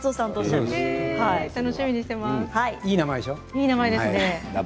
いい名前ですね。